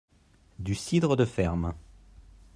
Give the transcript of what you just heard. Du cidre de ferme.